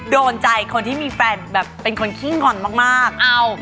โดนใจคนที่มีแฟนแบบเป็นคนขี้งอนมาก